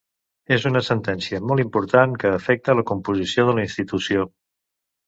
És una sentència molt important que afecta la composició de la institució.